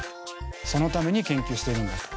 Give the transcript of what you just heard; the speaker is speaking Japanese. そのために研究してるんだと。